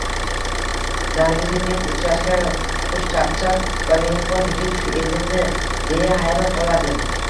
Nargiza Men uchrashgan xushchaqchaq va mehribon yigit shu edimi deya hayron qolardi